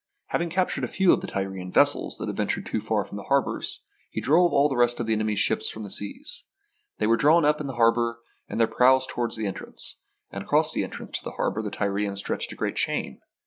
Having captured a few of the Tyrian vessels that had ventured too far from the harbours, he drove all the rest of his enemy's ships from the seas. They were drawn up in the harbour, with their prows toward the entrance, and across the entrance to the harbour the Tyrians stretched a great chain.